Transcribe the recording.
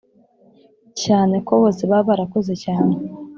cyane ko bose baba barakoze cyane.